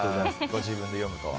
ご自分で読むとは。